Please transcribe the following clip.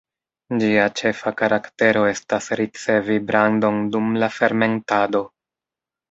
Ĝia ĉefa karaktero estas ricevi brandon dum la fermentado.